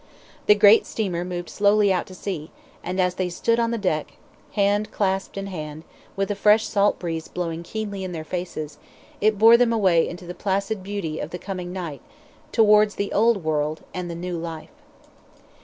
The great steamer moved slowly out to sea, and as they stood on the deck, hand clasped in hand, with the fresh salt breeze blowing keenly in their faces, it bore them away into the placid beauty of the coming night, towards the old world and the new life.